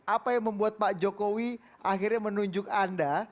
apa yang membuat pak jokowi akhirnya menunjuk anda